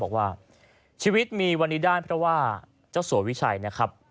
บอกว่าชีวิตมีวันนี้ได้เพราะว่าเจ้าสัววิชัยนะครับ